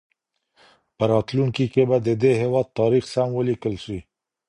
په راتلونکي کي به د دې هېواد تاریخ سم ولیکل سي.